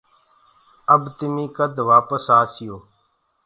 اب تمي ڪد وآپس آسيو۔